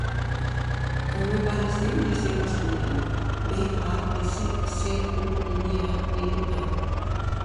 El meu pare es diu Yassir Bascuñana: be, a, essa, ce, u, enya, a, ena, a.